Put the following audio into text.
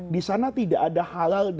disana tidak ada halal